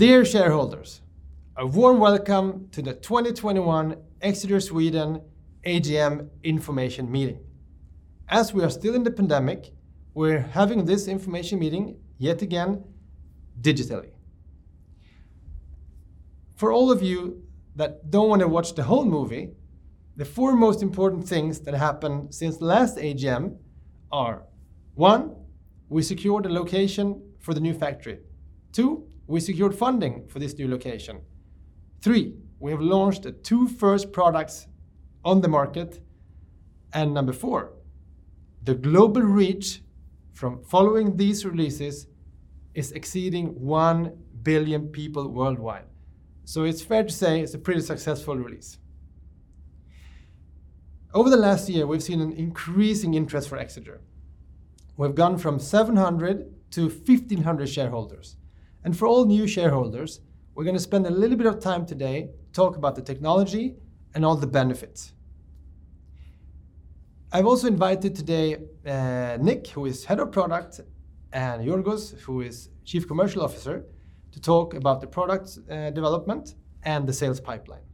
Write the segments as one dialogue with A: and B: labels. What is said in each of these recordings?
A: Dear shareholders, a warm welcome to the 2021 Exeger Sweden AGM Information Meeting. As we are still in the pandemic, we're having this information meeting, yet again, digitally. For all of you that don't want to watch the whole movie, the four most important things that happened since the last AGM are, one, we secured a location for the new factory. Two, we secured funding for this new location. Three, we have launched the two first products on the market. Number four, the global reach from following these releases is exceeding 1 billion people worldwide. It's fair to say it's a pretty successful release. Over the last year, we've seen an increasing interest for Exeger. We've gone from 700 to 1,500 shareholders, and for all new shareholders, we're going to spend a little bit of time today to talk about the technology and all the benefits. I've also invited today Nick, who is head of product, and Georgios, who is Chief Commercial Officer, to talk about the product development and the sales pipeline.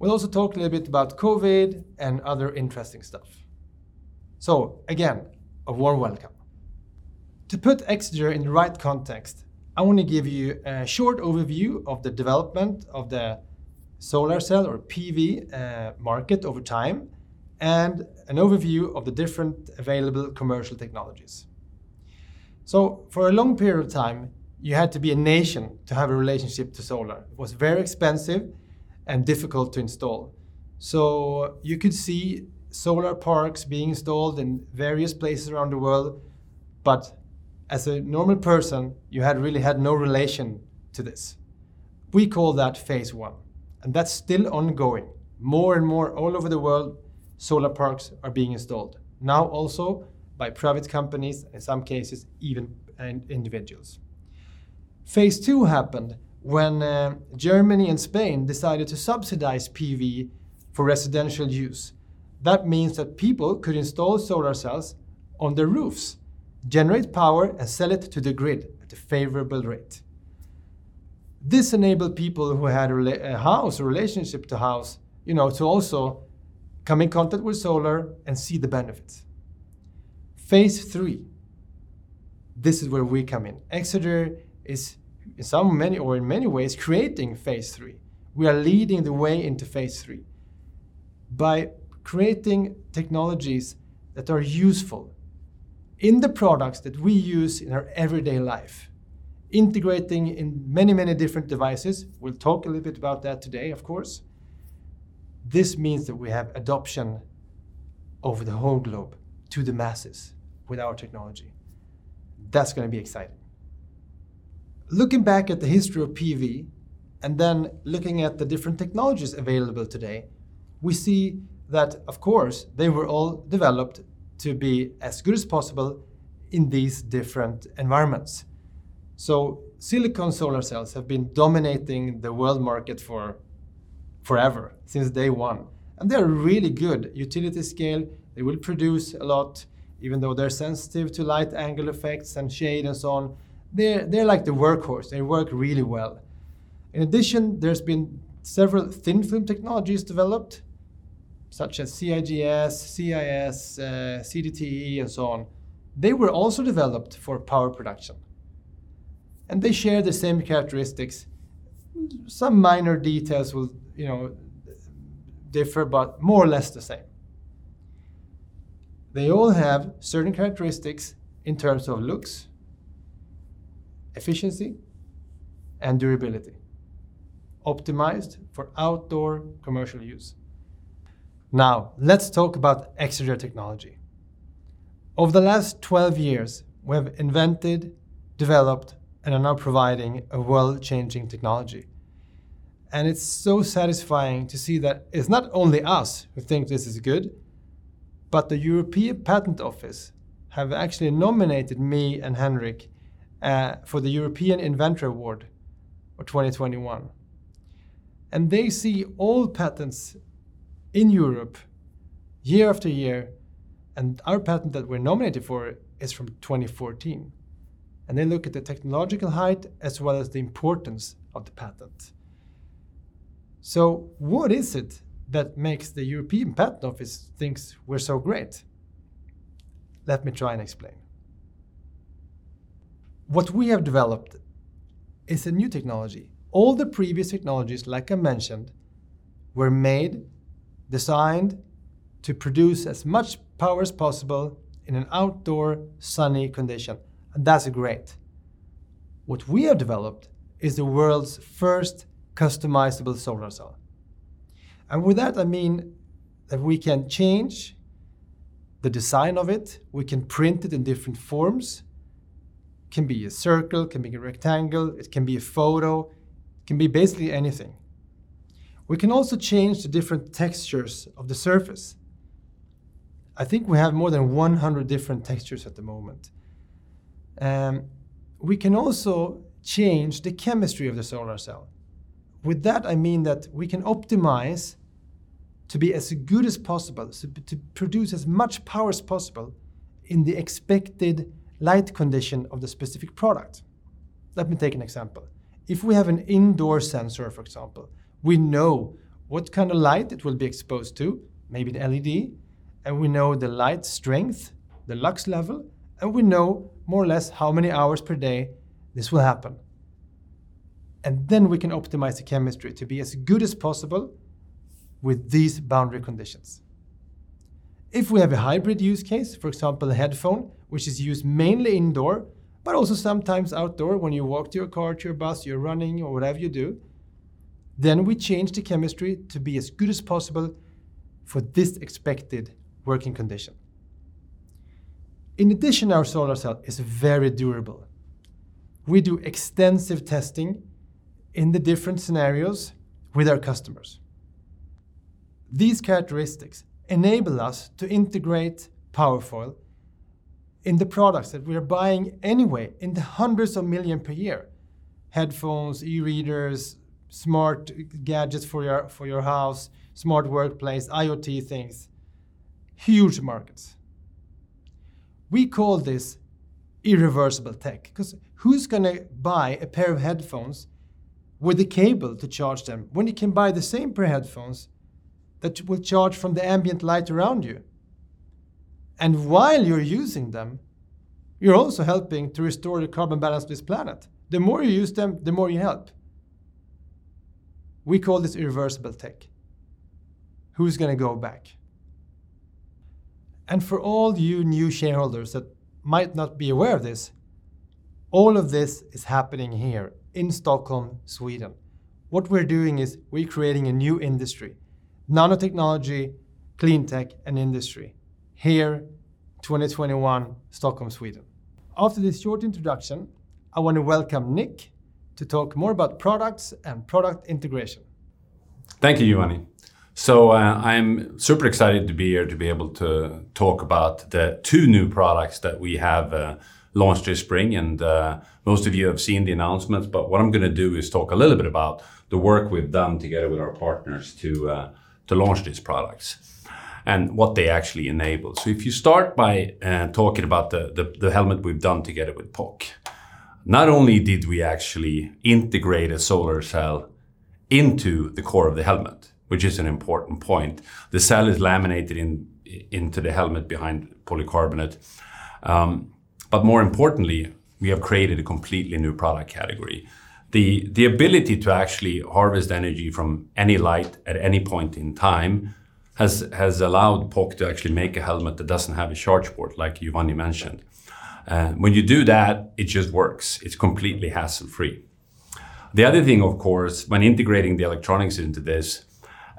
A: We'll also talk a little bit about COVID and other interesting stuff. Again, a warm welcome. To put Exeger in the right context, I want to give you a short overview of the development of the solar cell or PV market over time and an overview of the different available commercial technologies. For a long period of time, you had to be a nation to have a relationship to solar. It was very expensive and difficult to install. You could see solar parks being installed in various places around the world, but as a normal person, you had really had no relation to this. We call that phase I, and that's still ongoing. More and more all over the world, solar parks are being installed, now also by private companies, in some cases, even individuals. Phase II happened when Germany and Spain decided to subsidize PV for residential use. That means that people could install solar cells on their roofs, generate power, and sell it to the grid at a favorable rate. This enabled people who had a house, a relationship to house, to also come in contact with solar and see the benefits. Phase III, this is where we come in. Exeger is in many ways creating phase III. We are leading the way into phase III by creating technologies that are useful in the products that we use in our everyday life, integrating in many different devices. We'll talk a little bit about that today, of course. This means that we have adoption over the whole globe to the masses with our technology. That's going to be exciting. Looking back at the history of PV and then looking at the different technologies available today, we see that of course they were all developed to be as good as possible in these different environments. Silicon solar cells have been dominating the world market for forever, since day one, and they're really good. Utility-scale, they will produce a lot, even though they're sensitive to light angle effects and shade and so on. They're like the workhorse. They work really well. In addition, there's been several thin-film technologies developed, such as CIGS, CIS, CdTe, and so on. They were also developed for power production, and they share the same characteristics. Some minor details will differ, but more or less the same. They all have certain characteristics in terms of looks, efficiency, and durability, optimized for outdoor commercial use. Let's talk about Exeger technology. Over the last 12 years, we have invented, developed, and are now providing a world-changing technology, and it's so satisfying to see that it's not only us who think this is good, but the European Patent Office have actually nominated me and Henrik for the European Inventor Award for 2021. They see all patents in Europe year after year, and our patent that we're nominated for is from 2014. They look at the technological height as well as the importance of the patent. What is it that makes the European Patent Office think we're so great? Let me try and explain. What we have developed is a new technology. All the previous technologies, like I mentioned, were made, designed to produce as much power as possible in an outdoor, sunny condition, and that's great. What we have developed is the world's first customizable solar cell. With that, I mean that we can change the design of it, we can print it in different forms. It can be a circle, it can be a rectangle, it can be a photo. It can be basically anything. We can also change the different textures of the surface. I think we have more than 100 different textures at the moment. We can also change the chemistry of the solar cell. With that, I mean that we can optimize to be as good as possible, so to produce as much power as possible in the expected light condition of the specific product. Let me take an example. If we have an indoor sensor, for example, we know what kind of light it will be exposed to, maybe the LED, we know the light strength, the lux level, we know more or less how many hours per day this will happen. Then we can optimize the chemistry to be as good as possible with these boundary conditions. If we have a hybrid use case, for example, a headphone, which is used mainly indoor but also sometimes outdoor, when you walk to your car, to your bus, you're running or whatever you do, then we change the chemistry to be as good as possible for this expected working condition. In addition, our solar cell is very durable. We do extensive testing in the different scenarios with our customers. These characteristics enable us to integrate Powerfoyle in the products that we are buying anyway in the hundreds of millions per year. Headphones, e-readers, smart gadgets for your house, smart workplace, IoT things, huge markets. We call this irreversible tech because who's going to buy a pair of headphones with a cable to charge them, when you can buy the same pair of headphones that will charge from the ambient light around you? While you're using them, you're also helping to restore the carbon balance of this planet. The more you use them, the more you help. We call this irreversible tech. Who's going to go back? For all you new shareholders that might not be aware of this, all of this is happening here in Stockholm, Sweden. What we're doing is we're creating a new industry, nanotechnology, clean tech, and industry here, 2021, Stockholm, Sweden. After this short introduction, I want to welcome Nick to talk more about products and product integration.
B: Thank you, Giovanni. I'm super excited to be here to be able to talk about the two new products that we have launched this spring. Most of you have seen the announcements, but what I'm going to do is talk a little bit about the work we've done together with our partners to launch these products and what they actually enable. If you start by talking about the helmet we've done together with POC, not only did we actually integrate a solar cell into the core of the helmet, which is an important point, the cell is laminated into the helmet behind polycarbonate. More importantly, we have created a completely new product category. The ability to actually harvest energy from any light at any point in time has allowed POC to actually make a helmet that doesn't have a charge port, like Giovanni mentioned. When you do that, it just works. It's completely hassle-free. The other thing, of course, when integrating the electronics into this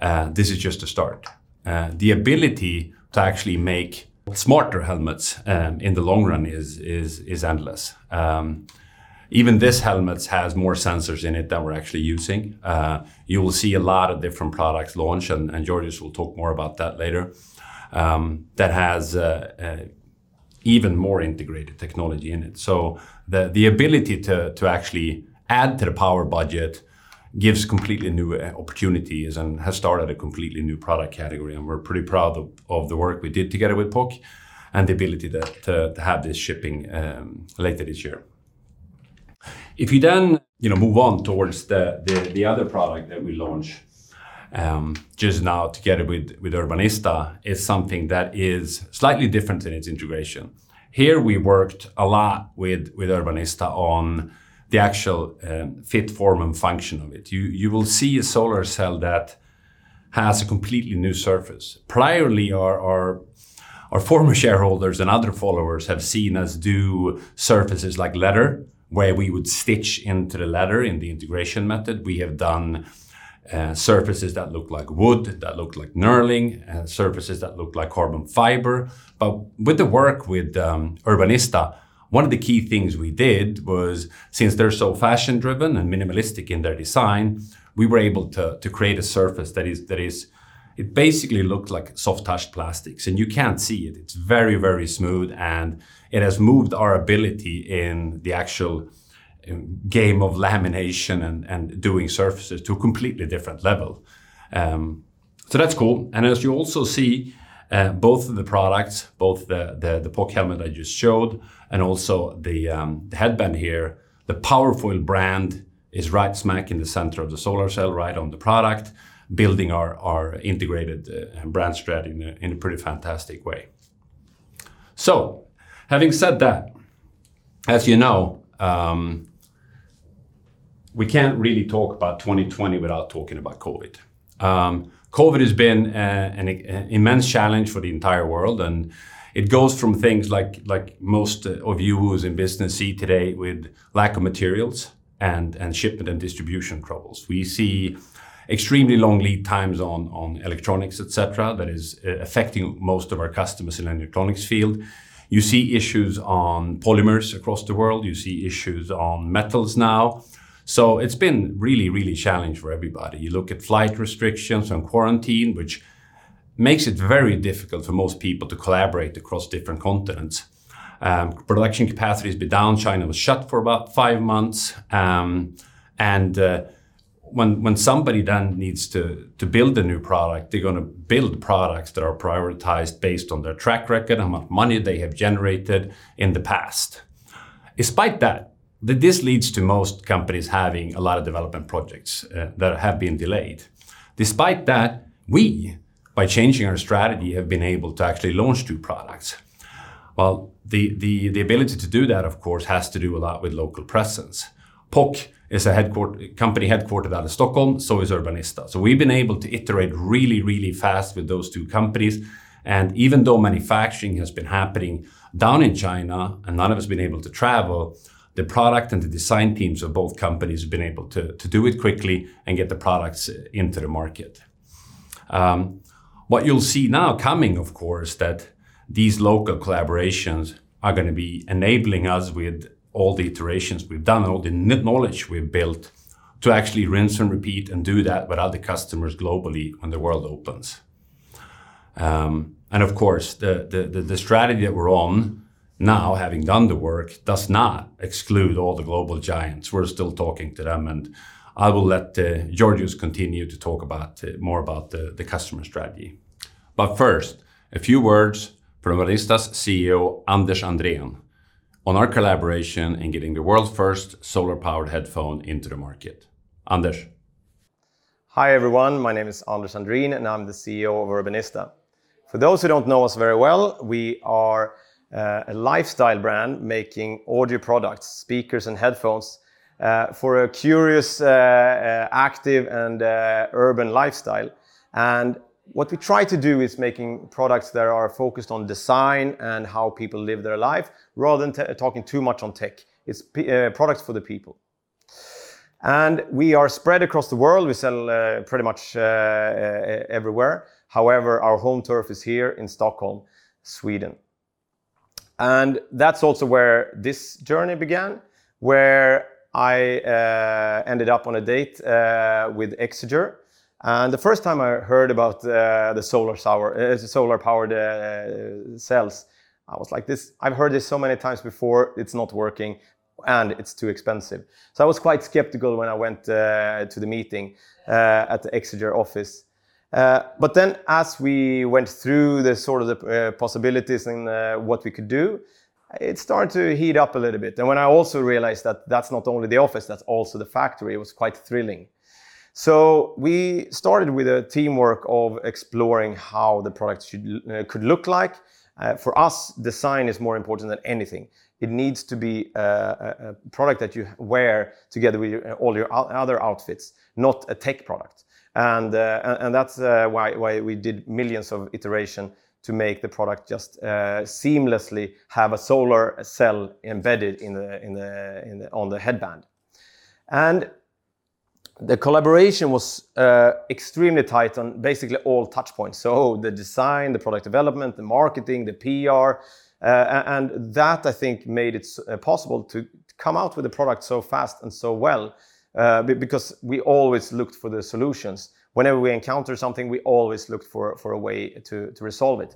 B: is just a start. The ability to actually make smarter helmets in the long run is endless. Even this helmet has more sensors in it than we're actually using. You will see a lot of different products launch, and Georgios will talk more about that later, that have even more integrated technology in it. The ability to actually add to the power budget gives completely new opportunities and has started a completely new product category, and we're pretty proud of the work we did together with POC and the ability to have this shipping later this year. If you move on towards the other product that we launched just now together with Urbanista, it's something that is slightly different in its integration. Here we worked a lot with Urbanista on the actual fit, form, and function of it. You will see a solar cell that has a completely new surface. Priorly, our former shareholders and other followers have seen us do surfaces like leather, where we would stitch into the leather in the integration method. We have done surfaces that look like wood, that look like knurling, surfaces that look like carbon fiber. With the work with Urbanista, one of the key things we did was, since they're so fashion-driven and minimalistic in their design, we were able to create a surface that basically looks like soft-touch plastics, and you can't see it. It's very smooth, and it has moved our ability in the actual game of lamination and doing surfaces to a completely different level. That's cool. As you also see, both of the products, both the POC helmet I just showed and also the headband here, the Powerfoyle brand is right smack in the center of the solar cell, right on the product, building our integrated brand strategy in a pretty fantastic way. Having said that, as you know, we can't really talk about 2020 without talking about COVID. COVID has been an immense challenge for the entire world, and it goes from things like most of you who is in business see today with lack of materials and shipment and distribution troubles. We see extremely long lead times on electronics, et cetera, that is affecting most of our customers in the electronics field. You see issues on polymers across the world. You see issues on metals now. It's been really challenged for everybody. You look at flight restrictions and quarantine, which makes it very difficult for most people to collaborate across different continents. Production capacity has been down. China was shut for about five months. When somebody then needs to build a new product, they're going to build products that are prioritized based on their track record, the amount of money they have generated in the past. This leads to most companies having a lot of development projects that have been delayed. Despite that, we, by changing our strategy, have been able to actually launch two products. Well, the ability to do that, of course, has to do a lot with local presence. POC is a company headquartered out of Stockholm, so is Urbanista. We've been able to iterate really fast with those two companies, and even though manufacturing has been happening down in China and none of us have been able to travel, the product and the design teams of both companies have been able to do it quickly and get the products into the market. What you'll see now coming, of course, that these local collaborations are going to be enabling us with all the iterations we've done, all the knowledge we've built to actually rinse and repeat and do that with other customers globally when the world opens. Of course, the strategy that we're on now, having done the work, does not exclude all the global giants. We're still talking to them, and I will let Georgios continue to talk more about the customer strategy. First, a few words from Urbanista's CEO, Anders Andrén, on our collaboration in getting the world's first solar-powered headphone into the market. Anders.
C: Hi, everyone. My name is Anders Andrén, and I'm the CEO of Urbanista. For those who don't know us very well, we are a lifestyle brand making audio products, speakers, and headphones for a curious, active, and urban lifestyle. What we try to do is making products that are focused on design and how people live their life rather than talking too much on tech. It's products for the people. We are spread across the world. We sell pretty much everywhere. However, our home turf is here in Stockholm, Sweden. That's also where this journey began, where I ended up on a date with Exeger. The first time I heard about the solar-powered cells, I was like this, "I've heard this so many times before. It's not working, and it's too expensive. I was quite skeptical when I went to the meeting at the Exeger office. As we went through the sort of the possibilities and what we could do, it started to heat up a little bit. When I also realized that's not only the office, that's also the factory, it was quite thrilling. We started with a teamwork of exploring how the product could look like. For us, design is more important than anything. It needs to be a product that you wear together with all your other outfits, not a tech product. That's why we did millions of iteration to make the product just seamlessly have a solar cell embedded on the headband. The collaboration was extremely tight on basically all touch points. The design, the product development, the marketing, the PR, and that I think made it possible to come out with a product so fast and so well, because we always looked for the solutions. Whenever we encounter something, we always looked for a way to resolve it.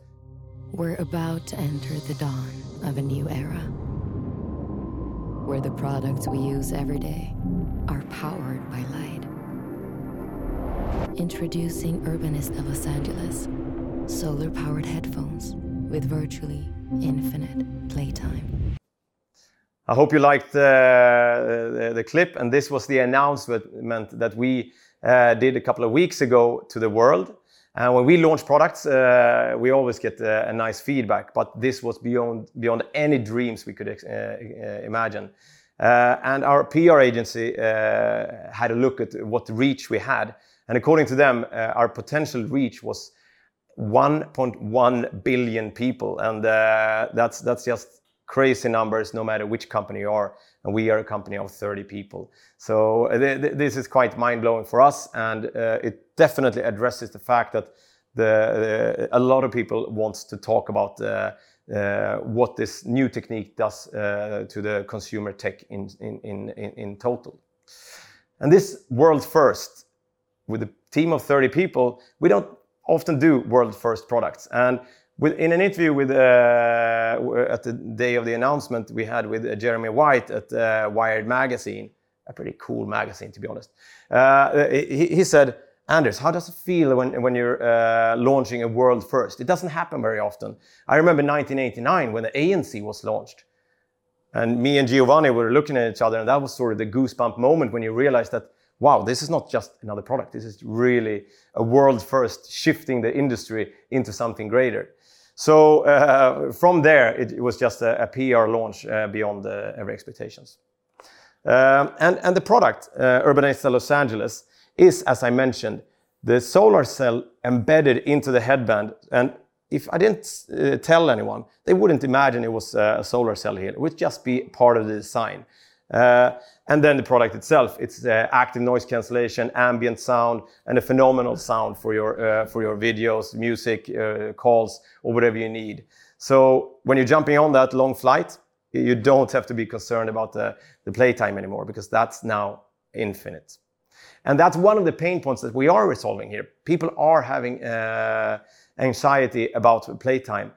C: I hope you liked the clip. This was the announcement that we did a couple of weeks ago to the world. When we launch products, we always get nice feedback. This was beyond any dreams we could imagine. Our PR agency had a look at what reach we had, and according to them, our potential reach was 1.1 billion people, and that's just crazy numbers no matter which company you are, and we are a company of 30 people. This is quite mind-blowing for us, and it definitely addresses the fact that a lot of people want to talk about what this new technique does to the consumer tech in total. This world's first with a team of 30 people, we don't often do world's first products. In an interview at the day of the announcement we had with Jeremy White at Wired magazine. A pretty cool magazine, to be honest. He said, "Anders, how does it feel when you're launching a world first? It doesn't happen very often." I remember 1989 when the ANC was launched, and me and Giovanni were looking at each other, and that was sort of the goosebump moment when you realize that, wow, this is not just another product. This is really a world's first, shifting the industry into something greater. From there, it was just a PR launch beyond our expectations. The product, Urbanista Los Angeles, is, as I mentioned, the solar cell embedded into the headband. If I didn't tell anyone, they wouldn't imagine it was a solar cell here. It would just be part of the design. The product itself, it's active noise cancellation, ambient sound, and a phenomenal sound for your videos, music, calls, or whatever you need. When you're jumping on that long flight, you don't have to be concerned about the playtime anymore because that's now infinite. That's one of the pain points that we are resolving here. People are having anxiety about playtime.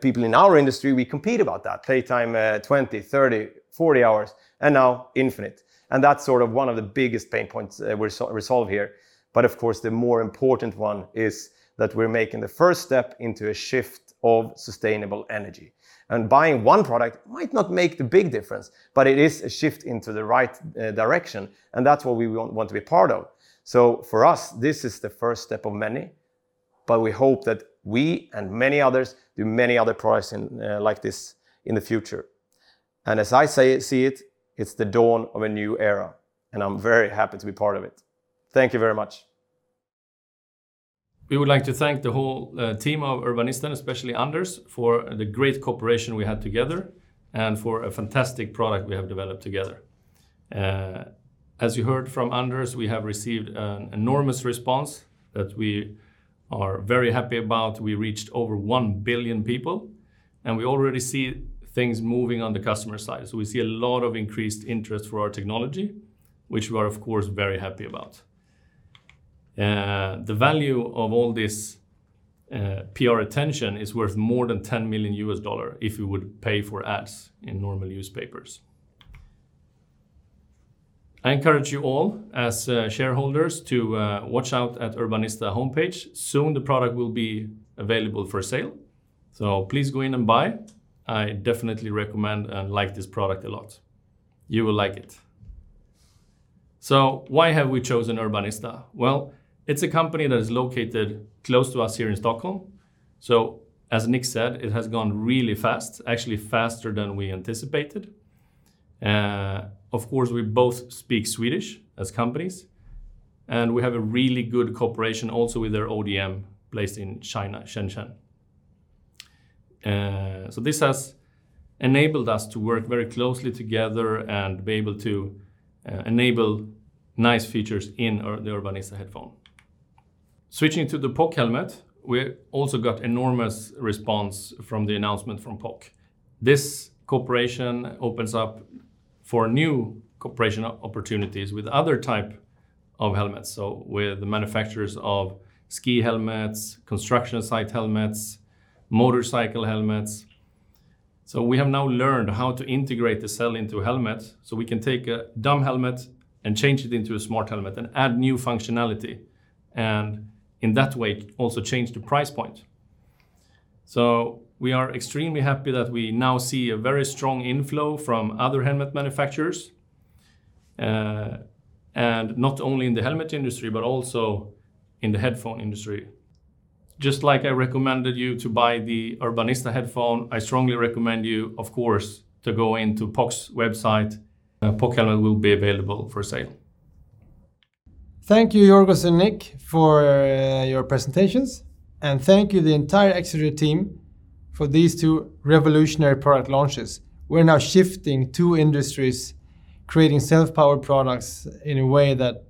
C: People in our industry, we compete about that. Playtime 20, 30, 40 hours, and now infinite. That's sort of one of the biggest pain points we resolve here. Of course, the more important one is that we're making the first step into a shift of sustainable energy. Buying one product might not make the big difference, but it is a shift into the right direction, and that's what we want to be part of. For us, this is the first step of many, but we hope that we and many others do many other products like this in the future. As I see it's the dawn of a new era, and I'm very happy to be part of it. Thank you very much.
D: We would like to thank the whole team of Urbanista, especially Anders, for the great cooperation we had together and for a fantastic product we have developed together. As you heard from Anders, we have received an enormous response that we are very happy about. We already see things moving on the customer side. We see a lot of increased interest for our technology, which we are, of course, very happy about. The value of all this PR attention is worth more than $10 million if you would pay for ads in normal newspapers. I encourage you all as shareholders to watch out at Urbanista homepage. Please go in and buy. I definitely recommend and like this product a lot. You will like it. Why have we chosen Urbanista? It's a company that is located close to us here in Stockholm. As Nick said, it has gone really fast, actually faster than we anticipated. Of course, we both speak Swedish as companies, and we have a really good cooperation also with their ODM placed in China, Shenzhen. This has enabled us to work very closely together and be able to enable nice features in the Urbanista headphone. Switching to the POC helmet, we also got enormous response from the announcement from POC. This cooperation opens up for new cooperation opportunities with other type of helmets, so with the manufacturers of ski helmets, construction site helmets, motorcycle helmets. We have now learned how to integrate the cell into helmets, so we can take a dumb helmet and change it into a smart helmet and add new functionality, and in that way, also change the price point. We are extremely happy that we now see a very strong inflow from other helmet manufacturers, and not only in the helmet industry, but also in the headphone industry. Just like I recommended you to buy the Urbanista headphone, I strongly recommend you, of course, to go into POC's website. POC helmet will be available for sale.
A: Thank you, Georgios and Nick, for your presentations. Thank you, the entire Exeger team, for these two revolutionary product launches. We're now shifting two industries, creating self-powered products in a way that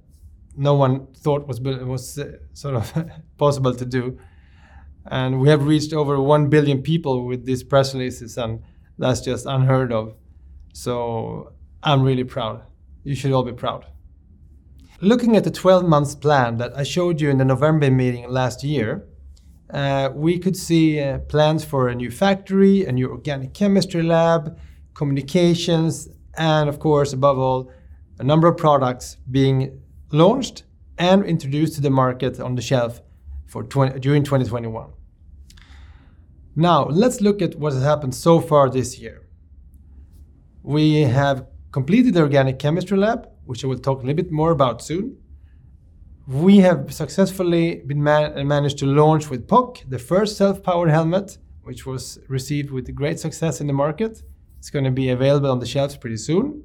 A: no one thought was sort of possible to do. We have reached over 1 billion people with these press releases, and that's just unheard of. I'm really proud. You should all be proud. Looking at the 12 months plan that I showed you in the November meeting last year, we could see plans for a new factory, a new organic chemistry lab, communications, and of course, above all, a number of products being launched and introduced to the market on the shelf during 2021. Let's look at what has happened so far this year. We have completed the organic chemistry lab, which I will talk a little bit more about soon. We have successfully managed to launch with POC the first self-powered helmet, which was received with great success in the market. It's going to be available on the shelves pretty soon.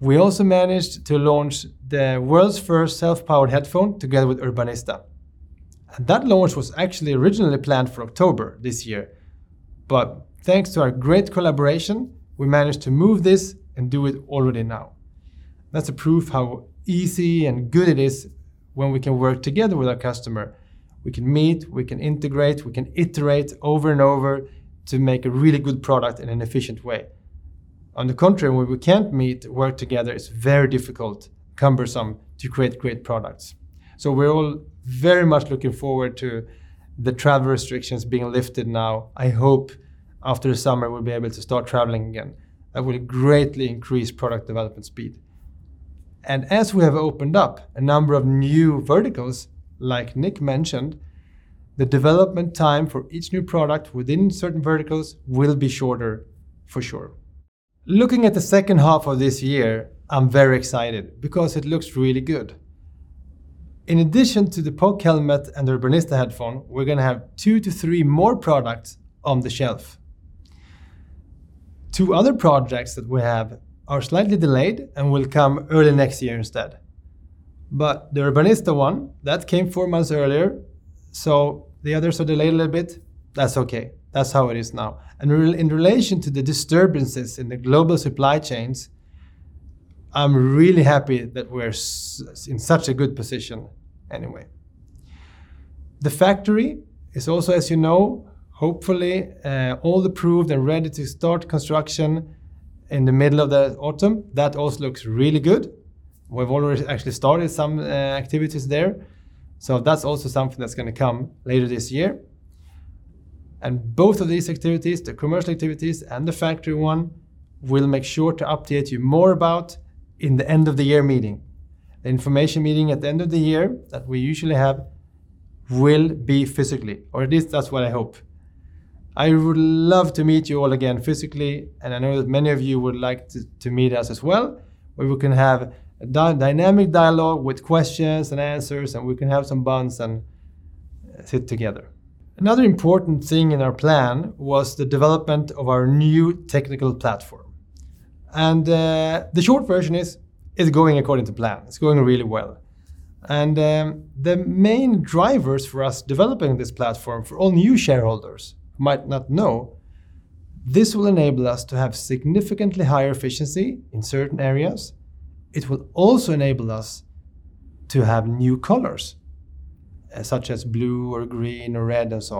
A: We also managed to launch the world's first self-powered headphone together with Urbanista. That launch was actually originally planned for October this year. Thanks to our great collaboration, we managed to move this and do it already now. That's a proof how easy and good it is when we can work together with our customer. We can meet, we can integrate, we can iterate over and over to make a really good product in an efficient way. On the contrary, when we can't meet, work together, it's very difficult, cumbersome to create great products. We're all very much looking forward to the travel restrictions being lifted now. I hope after the summer, we'll be able to start traveling again. That will greatly increase product development speed. As we have opened up a number of new verticals, like Nick mentioned, the development time for each new product within certain verticals will be shorter for sure. Looking at the second half of this year, I'm very excited because it looks really good. In addition to the POC helmet and the Urbanista headphone, we're going to have two to three more products on the shelf. Two other projects that we have are slightly delayed and will come early next year instead. The Urbanista one, that came four months earlier, so the others are delayed a little bit. That's okay. That's how it is now. In relation to the disturbances in the global supply chains, I'm really happy that we're in such a good position anyway. The factory is also, as you know, hopefully all approved and ready to start construction in the middle of the autumn. That also looks really good. We've already actually started some activities there. That's also something that's going to come later this year. Both of these activities, the commercial activities and the factory one, we'll make sure to update you more about in the end of the year meeting. The information meeting at the end of the year that we usually have will be physically, or at least that's what I hope. I would love to meet you all again physically, and I know that many of you would like to meet us as well, where we can have a dynamic dialogue with questions and answers, and we can have some buns and sit together. Another important thing in our plan was the development of our new technical platform. The short version is, it's going according to plan. It's going really well. The main drivers for us developing this platform for all new shareholders who might not know, this will enable us to have significantly higher efficiency in certain areas. It will also enable us to have new colors, such as blue or green or red and so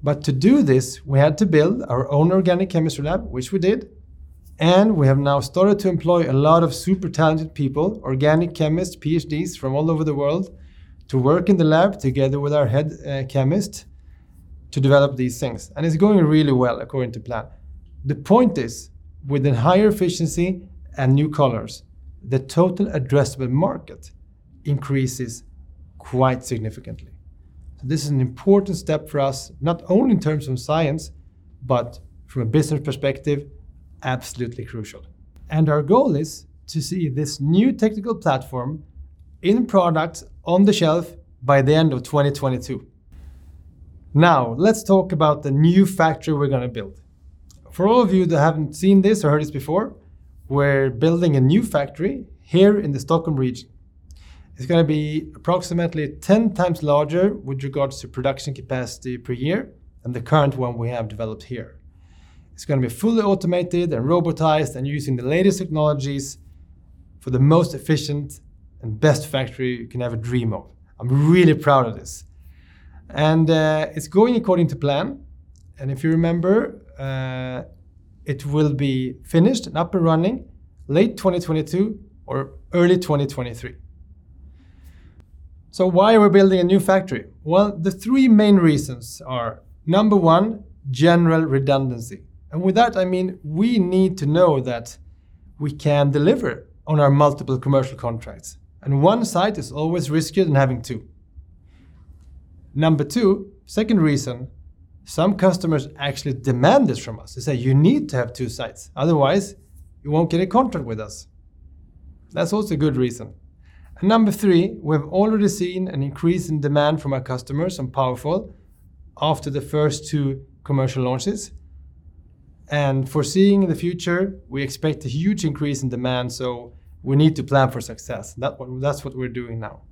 A: on. To do this, we had to build our own organic chemistry lab, which we did, and we have now started to employ a lot of super talented people, organic chemists, PhDs from all over the world, to work in the lab together with our head chemist to develop these things. It's going really well according to plan. The point is, with the higher efficiency and new colors, the total addressable market increases quite significantly. This is an important step for us, not only in terms of science, but from a business perspective, absolutely crucial. Our goal is to see this new technical platform in products on the shelf by the end of 2022. Let's talk about the new factory we're going to build. For all of you that haven't seen this or heard this before, we're building a new factory here in the Stockholm region. It's going to be approximately 10 times larger with regards to production capacity per year than the current one we have developed here. It's going to be fully automated and robotized and using the latest technologies for the most efficient and best factory you can ever dream of. I'm really proud of this. It's going according to plan. If you remember, it will be finished and up and running late 2022 or early 2023. Why are we building a new factory? Well, the three main reasons are, number one, general redundancy. With that, I mean we need to know that we can deliver on our multiple commercial contracts. One site is always riskier than having two. Number two, second reason, some customers actually demand this from us. They say, "You need to have two sites, otherwise you won't get a contract with us." That's also a good reason. Number three, we've already seen an increase in demand from our customers on Powerfoyle after the first two commercial launches. Foreseeing the future, we expect a huge increase in demand, so we need to plan for success. That's what we're doing now.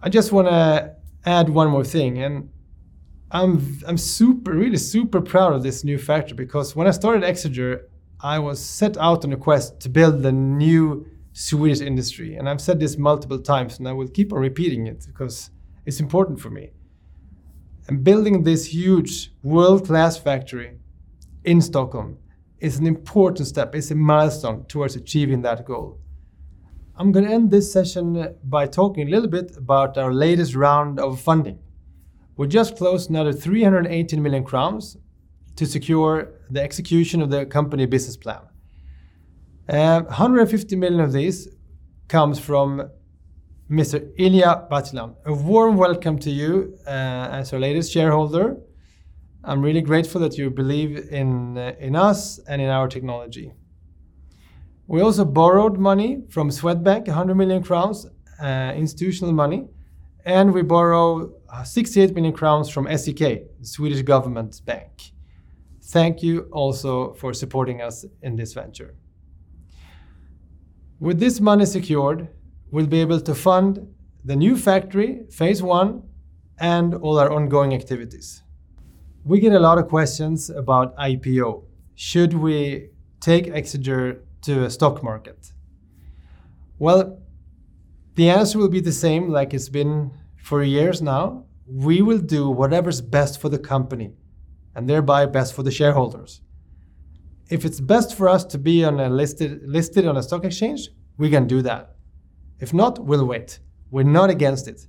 A: I just want to add one more thing. I'm really super proud of this new factory because when I started Exeger, I was set out on a quest to build the new Swedish industry. I've said this multiple times, and I will keep on repeating it because it's important for me. Building this huge world-class factory in Stockholm is an important step. It's a milestone towards achieving that goal. I'm going to end this session by talking a little bit about our latest round of funding. We just closed another 318 million crowns to secure the execution of the company business plan. 150 million of this comes from Mr. Ilya Barinov. A warm welcome to you as our latest shareholder. I'm really grateful that you believe in us and in our technology. We also borrowed money from Swedbank, 100 million crowns institutional money. We borrow 68 million crowns from SEK, Swedish government bank. Thank you also for supporting us in this venture. With this money secured, we'll be able to fund the new factory, phase I, and all our ongoing activities. We get a lot of questions about IPO. Should we take Exeger to a stock market? Well, the answer will be the same like it's been for years now. We will do whatever's best for the company, and thereby best for the shareholders. If it's best for us to be listed on a stock exchange, we can do that. If not, we'll wait. We're not against it.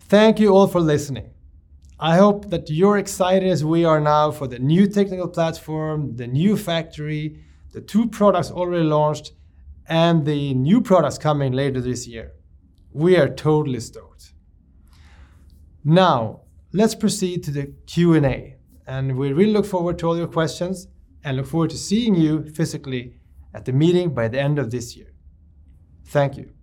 A: Thank you all for listening. I hope that you're excited as we are now for the new technical platform, the new factory, the two products already launched, and the new products coming later this year. We are totally stoked. Let's proceed to the Q&A. We really look forward to all your questions and look forward to seeing you physically at the meeting by the end of this year. Thank you.